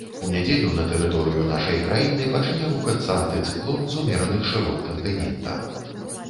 У нядзелю на тэрыторыю нашай краіны пачне рухацца антыцыклон з умераных шырот кантынента.